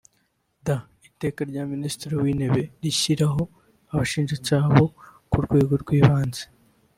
d) Iteka rya Minisitiri w’Intebe rishyiraho Abashinjacyaha bo ku Rwego rw’Ibanze